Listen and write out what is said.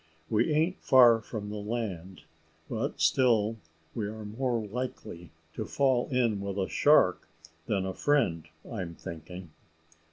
We ain't far from the land, but still we are more likely to fall in with a shark than a friend, I'm thinking."